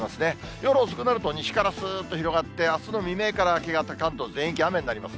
夜遅くなると西からすーっと広がって、あすの未明から明け方、関東全域、雨になります。